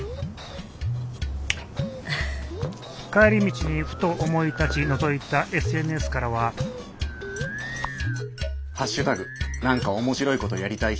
帰り道にふと思い立ちのぞいたＳＮＳからは「＃なんか面白いことやりたい人この指止まれ。